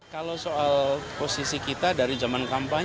kalau soal posisi kita dari zaman kampanye